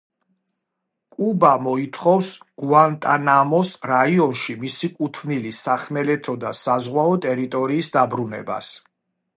კუბა მოითხოვს გუანტანამოს რაიონში მისი კუთვნილი სახმელეთო და საზღვაო ტერიტორიის დაბრუნებას.